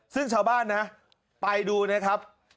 ซึ่งชาวบ้านนะไปดูนะครับ